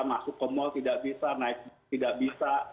masuk ke mal tidak bisa naik tidak bisa